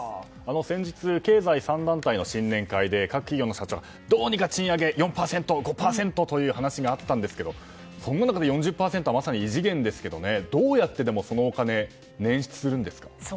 先日、経済３団体の新年会で各企業の社長がどうにか賃上げ４％や５％という話があったんですがその中で４０％というのはまさに異次元ですがどうやってそのお金を捻出するんですか。